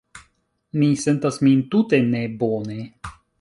Mi sentas min tute nebone.